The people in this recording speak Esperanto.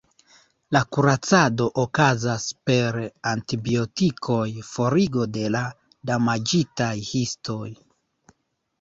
La kuracado okazas per antibiotikoj, forigo de la damaĝitaj histoj.